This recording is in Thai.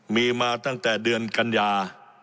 มีมาตั้งแต่เดือนกันยา